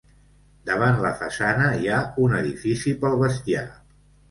Davant la façana hi ha un edifici pel bestiar.